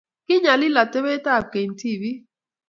Kiinyalili atebekab keny tibik